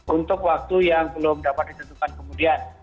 untuk waktu yang belum dapat ditentukan kemudian